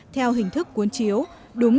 theo hình thức cuốn chiếu đúng